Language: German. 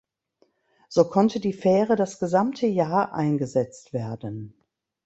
So konnte die Fähre das gesamte Jahr eingesetzt werden.